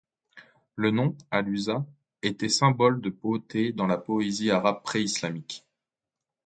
Le nom al-ʿUzzā était symbole de beauté dans la poésie arabe préislamique.